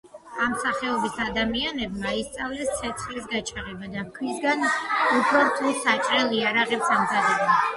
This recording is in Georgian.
ამ სახეობის ადამიანებმა ისწავლეს ცეცხლის გაჩაღება და ქვისგან უფრო რთულ საჭრელ იარაღებს ამზადებდნენ.